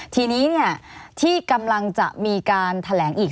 ทีนี้ที่กำลังจะมีการแถลงอีก